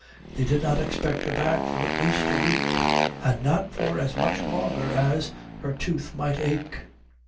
They did not expect her back for at least a week, and not for as much longer as her tooth might ache.